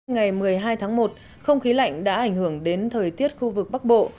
ngày một mươi hai tháng một không khí lạnh đã ảnh hưởng đến thời tiết khu vực bắc bộ